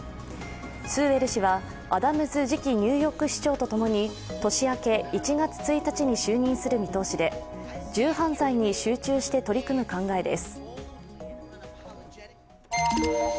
スーエル氏は、アダムズ次期ニューヨーク市長とともに年明け１月１日に就任する見通しで銃犯罪に集中して取り組む考えです。